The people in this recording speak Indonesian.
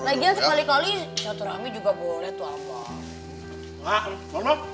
lagian sekali kali satu rame juga boleh tuh abang